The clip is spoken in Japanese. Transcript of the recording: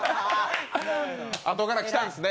あとから来たんですね。